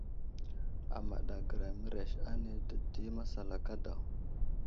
Amaɗ agəra mərez ane dədi masalaka daw.